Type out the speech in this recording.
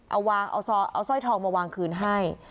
เอาซ่อยทองมาวางคืนให้